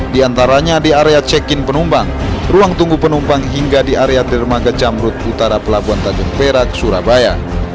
di antaranya di area check in penumpang ruang tunggu penumpang hingga di area dermaga jamrut utara pelabuhan tanjung perak surabaya